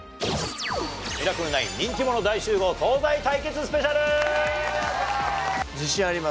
「ミラクル９」、人気者大集合東西対決スペシャル！